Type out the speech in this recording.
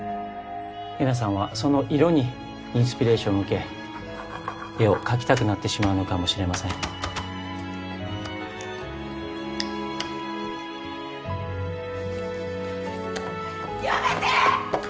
えなさんはその色にインスピレーションを受け絵を描きたくなってしまうのかもしれませんやめて！